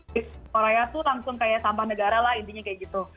di korea tuh langsung kayak sampah negara lah intinya kayak gitu